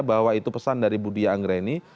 bahwa itu pesan dari budi anggraini